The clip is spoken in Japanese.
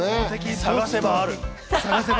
探せばある。